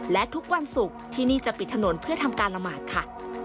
และทุกวันศุกร์ที่นี่จะปิดถนนเพื่อทำการละหมาดค่ะ